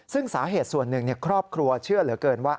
ซึ่งสาเหตุส่วนหนึ่งครอบครัวเชื่อเหลือเกินว่า